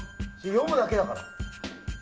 読むだけだから。